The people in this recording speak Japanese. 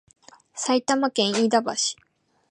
埼玉県飯田橋